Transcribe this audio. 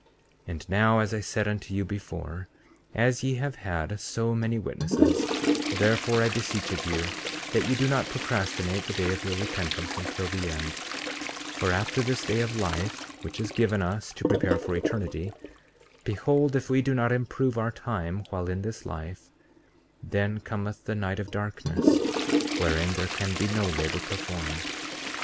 34:33 And now, as I said unto you before, as ye have had so many witnesses, therefore, I beseech of you that ye do not procrastinate the day of your repentance until the end; for after this day of life, which is given us to prepare for eternity, behold, if we do not improve our time while in this life, then cometh the night of darkness wherein there can be no labor performed.